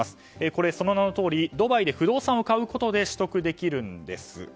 これ、その名のとおりドバイで不動産を買うことで取得できるんです。